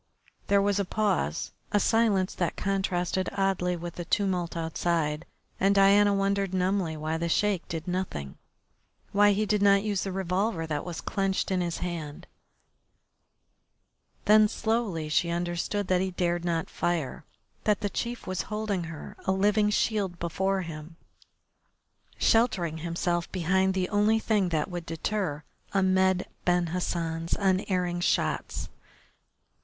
There was a pause, a silence that contrasted oddly with the tumult outside, and Diana wondered numbly why the Sheik did nothing, why he did not use the revolver that was clenched in his hand Then slowly she understood that he dared not fire, that the chief was holding her, a living shield, before him, sheltering himself behind the only thing that would deter Ahmed Ben Hassan's unerring shots.